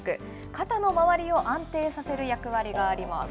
肩の周りを安定させる役割があります。